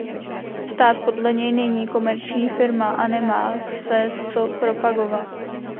Stát podle něj „není komerční firma“ a „nemá se co propagovat“.